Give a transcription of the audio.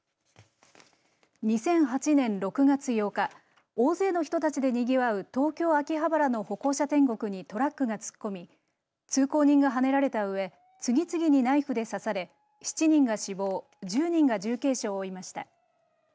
２００８年６月８日大勢の人たちでにぎわう東京、秋葉原の歩行者天国にトラックが突っ込み通行人がはねられたうえ次々にナイフで刺され７人が死亡１０人が重軽傷を負いました。